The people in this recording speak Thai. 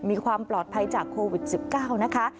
มีความปลอดภัยจากโควิด๑๙นะคะ